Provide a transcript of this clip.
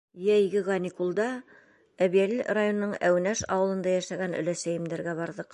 Йәйге каникулда Әбйәлил районының Әүнәш ауылында йәшәгән өләсәйемдәргә барҙыҡ.